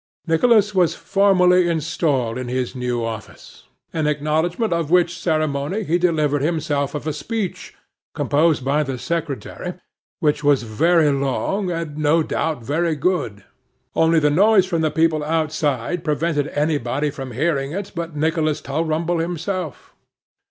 Nicholas was formally installed in his new office, in acknowledgment of which ceremony he delivered himself of a speech, composed by the secretary, which was very long, and no doubt very good, only the noise of the people outside prevented anybody from hearing it, but Nicholas Tulrumble himself.